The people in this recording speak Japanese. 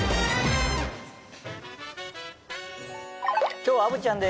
今日は虻ちゃんです